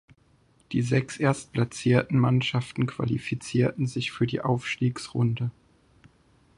Die sechs erstplatzierten Mannschaften qualifizierten sich für die Aufstiegsrunde.